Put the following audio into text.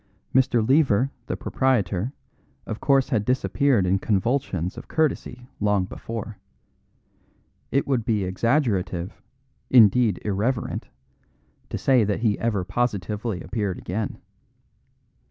Mr. Lever, the proprietor, of course had disappeared in convulsions of courtesy long before. It would be exaggerative, indeed irreverent, to say that he ever positively appeared again.